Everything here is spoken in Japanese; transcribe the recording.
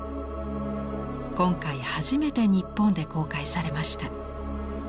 今回初めて日本で公開されました。